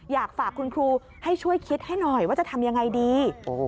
อยากฝากคุณครูให้ช่วยคิดให้หน่อยว่าจะทำยังไงดี